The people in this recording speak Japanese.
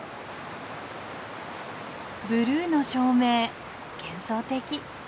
ブルーの照明幻想的。